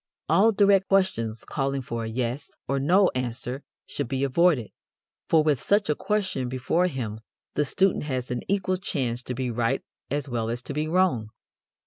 All direct questions, calling for a "yes" or "no" answer should be avoided, for with such a question before him the student has an equal chance to be right as well as to be wrong.